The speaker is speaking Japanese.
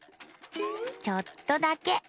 ⁉ちょっとだけ！